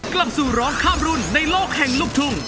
กลับสู่ร้องข้ามรุ่นในโลกแห่งลูกทุ่ง